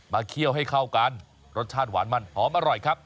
เคี่ยวให้เข้ากันรสชาติหวานมันหอมอร่อยครับ